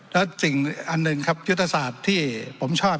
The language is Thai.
และสิ่งอันหนึ่งครับยุทธศาสตร์ที่ผมชอบ